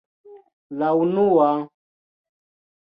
- La unua...